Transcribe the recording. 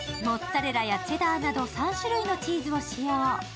モッツァレラやチェダーなど３種類のチーズを使用。